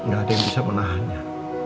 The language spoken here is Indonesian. tidak ada yang bisa menahannya